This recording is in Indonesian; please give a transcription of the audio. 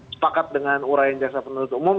sepakat dengan urayan jasa penuntut umum